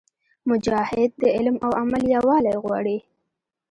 مجاهد د علم او عمل یووالی غواړي.